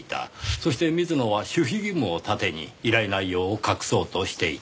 そして水野は守秘義務を盾に依頼内容を隠そうとしていた。